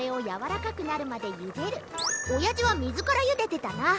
それをおやじはみずからゆでてたな。